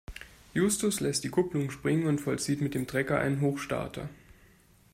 Justus lässt die Kupplung springen und vollzieht mit dem Trecker einen Hochstarter.